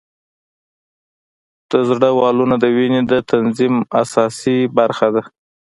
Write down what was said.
د زړه والونه د وینې د تنظیم اساسي برخه ده.